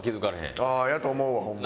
ああーやと思うわホンマ。